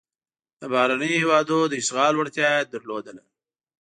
د بهرنیو هېوادونو د اشغال وړتیا یې لرله.